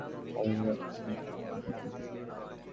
সেসব সমস্যার ওপর কাজ করতে হবে যেগুলোর সমাধান আমাদের সন্তানেরা করবে।